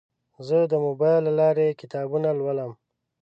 زه د موبایل له لارې کتابونه لولم.